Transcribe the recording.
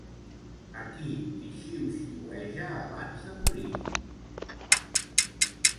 A qui li xiuxiueja abans de morir?